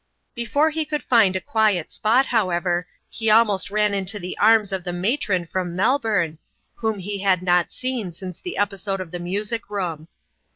Before he could find the quiet spot, how ever, he almost ran into the arms of the ma tron from Melbourne, whom he had not seen since the episode of the music room.